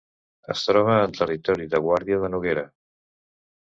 Es troba en territori de Guàrdia de Noguera.